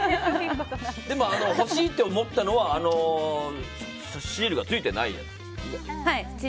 でも欲しいと思ったのはシールが付いていないやつですか。